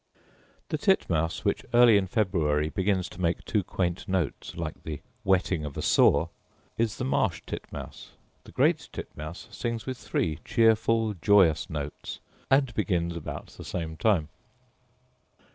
The titmouse, which early in February begins to make two quaint notes, like the whetting of a saw, is the marsh titmouse: the great titmouse sings with three cheerful joyous notes, and begins about the same time.